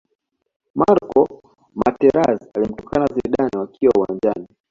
marco materazi alimtukana zidane wakiwa uwanjani